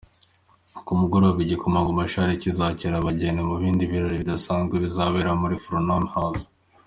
Ku mugoroba: Igikomangoma Charles kizakira abageni mu bindi birori bidasanzwe bizabera kuri Frogmore House.